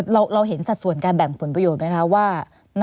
เราเห็นสัดส่วนการแบ่งผลประโยชน์ไหมคะว่า